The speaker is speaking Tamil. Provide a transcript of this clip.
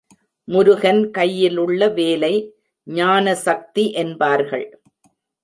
முருகன் கையிலுள்ள வேலை ஞானசக்தி என்பார்கள்.